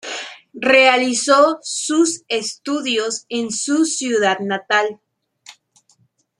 Realizó sus estudios en su ciudad natal.